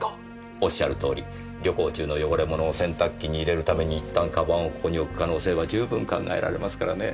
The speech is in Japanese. おっしゃるとおり旅行中の汚れ物を洗濯機に入れるために一旦鞄をここに置く可能性は十分考えられますからねぇ。